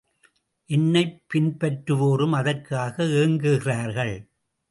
என்னைப் பின்பற்றுவோரும் அதற்காக ஏங்குகிறார்கள்.